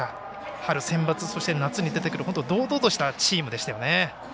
春センバツそして、夏に出てくる堂々としたチームでしたよね。